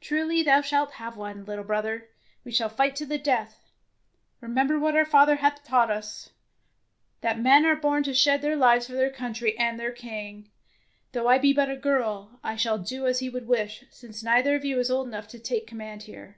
"Truly thou shalt have one, little brother. We shall fight to the death. Remember what our father hath taught us, that men are born to shed their lives for their country and their king. Though I be but a girl, I shall do as he would wish, since neither of you is old enough to take command here."